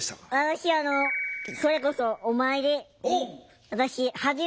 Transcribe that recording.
私あのそれこそお参りえっ！？